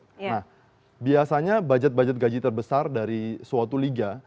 nah biasanya budget budget gaji terbesar dari suatu liga